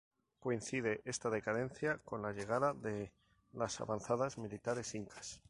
Coincide esta decadencia con la llegada de las avanzadas militares Incas.